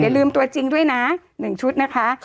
เดี๋ยวลืมตัวจริงด้วยนะหนึ่งชุดค่ะค่ะ